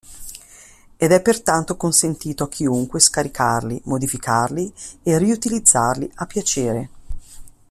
Ed è pertanto consentito a chiunque scaricarli, modificarli e riutilizzarli a piacere.